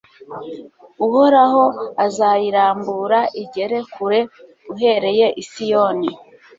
Uhoraho azayirambura igere kure uhereye i Siyoni